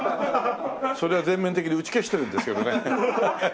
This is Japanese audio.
それは全面的に打ち消してるんですけどね。